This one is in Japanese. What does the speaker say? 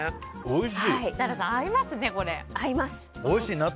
おいしい！